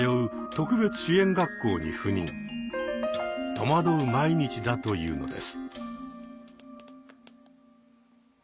戸惑う毎日だというのです。